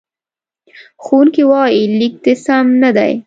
ښوونکی وایي، لیک دې سم نه دی.